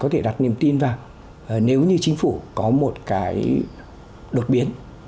chúng ta có thể đặt niềm tin vào nếu như chính phủ có một cái đột biến